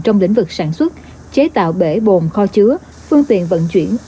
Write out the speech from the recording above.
trong lĩnh vực sản xuất chế tạo bể bồn kho chứa phương tiện vận chuyển